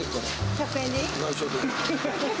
１００円。